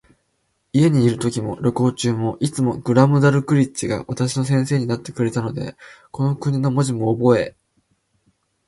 家にいるときも、旅行中も、いつもグラムダルクリッチが私の先生になってくれたので、この国の文字もおぼえ、